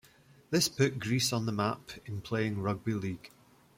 This put Greece on the map in playing rugby league.